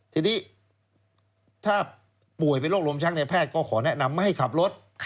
ทีนี้ถ้าป่วยเป็นโรคลมชักในแพทย์ก็ขอแนะนำไม่ให้ขับรถ